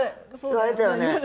言われたよね？